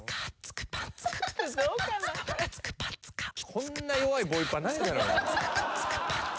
こんな弱いボイパないだろ。